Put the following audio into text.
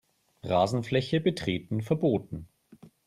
Rasenfläche betreten verboten.